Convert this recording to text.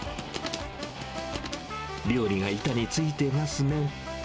料理が板についてますね。